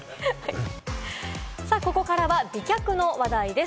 ここからは美脚の話題です。